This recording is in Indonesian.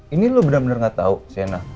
ini lo benar benar nggak tahu sienna